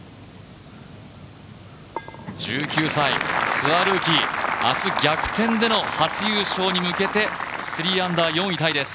１９歳、ツアールーキー明日、逆転での初優勝に向けて３アンダー、４位タイです。